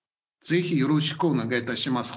ぜひ、よろしくお願いいたします